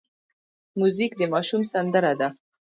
موزیک د ماشوم سندره ده.